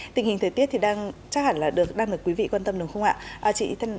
tình hình thời tiết thì đang chắc hẳn là đang được quý vị quan tâm đúng không ạ